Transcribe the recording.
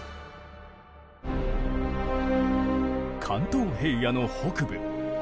関東平野の北部。